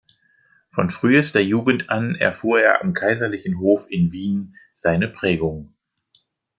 Von frühester Jugend an erfuhr er am kaiserlichen Hof in Wien seine Prägung.